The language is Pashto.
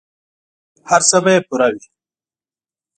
هر څه به یې پوره وي.